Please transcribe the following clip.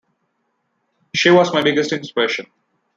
She was my biggest inspiration.